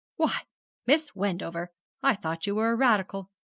'Why, Miss Wendover, I thought you were a Radical!'